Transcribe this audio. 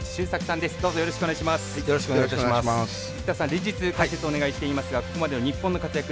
連日、解説をお願いしていますがここまでの日本の活躍